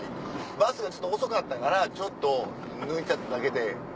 バスがちょっと遅かったからちょっと抜いたっただけで。